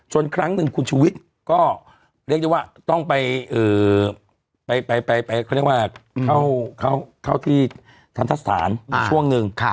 จนครั้งนึงคุณชุวิตก็เรียกได้ว่าต้องไปเขาที่ทันทัศนช่วงนึง